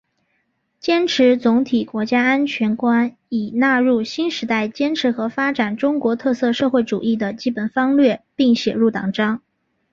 坚持总体国家安全观已纳入新时代坚持和发展中国特色社会主义的基本方略并写入党章